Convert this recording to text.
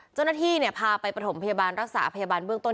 เจ้าหน้าที่พาไปประถมพยาบาลรักษาพยาบาลเบื้องต้น